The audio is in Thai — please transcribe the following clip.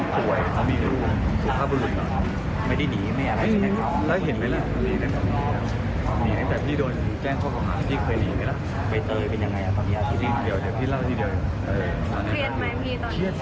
ขอโอกาสให้พวกเราได้ต่อสู้แล้วก็สื่อช่วยเป็นกำลังใจ